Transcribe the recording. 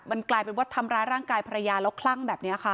มันกลายเป็นว่าทำร้ายร่างกายภรรยาแล้วคลั่งแบบนี้ค่ะ